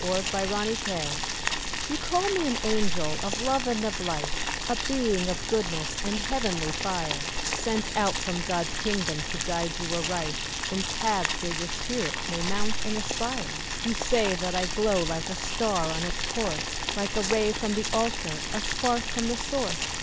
A WOMAN'S ANSWER You call me an angel of love and of light, A being of goodness and heavenly fire, Sent out from God's kingdom to guide you aright, In paths where your spirit may mount and aspire, You say that I glow like a star on its course, Like a ray from the altar, a spark from the source.